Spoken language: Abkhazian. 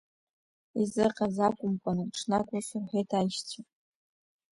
Исыҟаз акәымкәаны, ҽнак ус рҳәит аишьцәа…